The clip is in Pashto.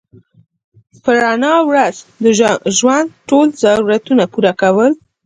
په رڼا ورځ د ژوند ټول ضرورتونه پوره کول